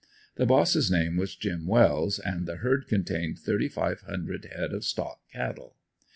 The boss' name was "Jim" Wells and the herd contained thirty five hundred head of stock cattle.